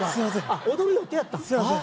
あっ踊る予定やったん？